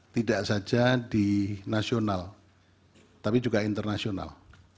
tidak saja di nasional tapi juga internasional